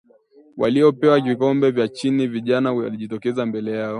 Walipoweka vikombe vyao chini, kijana alijitokeza mbele yao